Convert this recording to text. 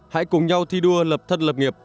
hãy cùng nhau thi đua lập thân lập nghiệp